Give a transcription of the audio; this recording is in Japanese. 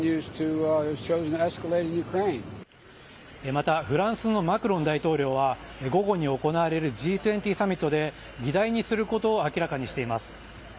またフランスのマクロン大統領は午後に行われるＧ２０サミットで議題にすることを明らかにしています。